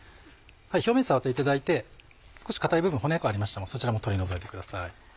表面触っていただいて少し硬い部分骨ありましたらそちらも取り除いてください。